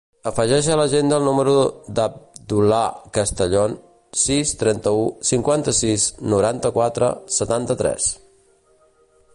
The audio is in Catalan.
Afegeix a l'agenda el número de l'Abdullah Castellon: sis, trenta-u, cinquanta-sis, noranta-quatre, setanta-tres.